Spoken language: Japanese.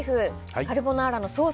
カルボナーラのソース